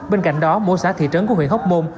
bên cạnh đó mỗi xã thị trấn của huyện hóc môn